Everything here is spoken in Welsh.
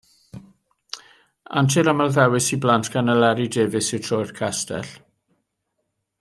Antur amlddewis i blant gan Eleri Davies yw Tro i'r Castell.